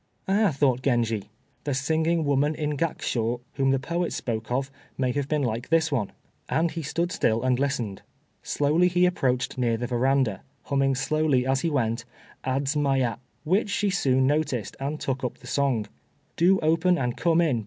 "Ah!" thought Genji, "the singing woman in Gakshoo, whom the poet spoke of, may have been like this one," and he stood still and listened. Slowly he approached near the veranda, humming slowly, as he went, "Adzmaya," which she soon noticed, and took up the song, "Do open and come in!